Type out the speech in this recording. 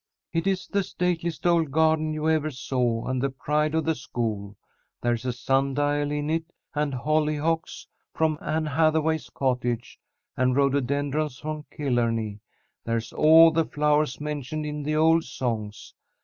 "It is the stateliest old garden you ever saw, and the pride of the school. There's a sun dial in it, and hollyhocks from Ann Hathaway's cottage, and rhododendrons from Killarney. There's all the flowers mentioned in the old songs.